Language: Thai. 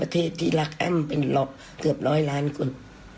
ที่รักงั้นเป็นหลอกเกือบร้อยล้านคน